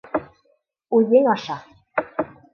Үҙең аша...